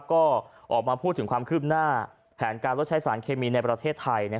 ก็ออกมาพูดถึงความคืบหน้าแผนการลดใช้สารเคมีในประเทศไทย